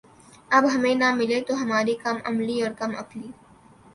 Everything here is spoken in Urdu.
اب ہمیں نہ ملے تو ہماری کم علمی اور کم عقلی